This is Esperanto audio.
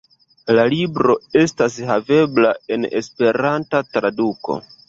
La libro estas havebla en esperanta traduko.